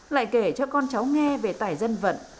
lại kể cho con cháu nghe về tài dân vận